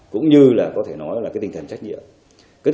cũng như là có thể nói là cái tinh thần trách nhiệm